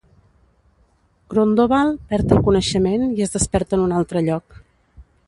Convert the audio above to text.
Grondoval perd el coneixement i es desperta en un altre lloc.